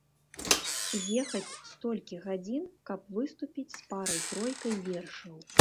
Ехаць столькі гадзін, каб выступіць з парай-тройкай вершаў.